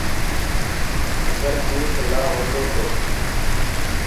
اگر پيٽ نآ هوندو تو